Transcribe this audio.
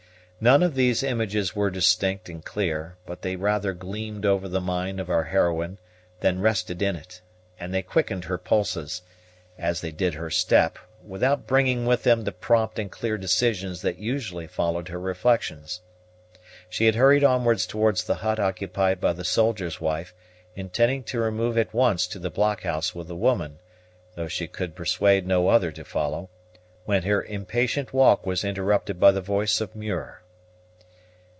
None of these images were distinct and clear, but they rather gleamed over the mind of our heroine than rested in it, and they quickened her pulses, as they did her step, without bringing with them the prompt and clear decisions that usually followed her reflections. She had hurried onwards towards the hut occupied by the soldier's wife, intending to remove at once to the blockhouse with the woman, though she could persuade no other to follow, when her impatient walk was interrupted by the voice of Muir.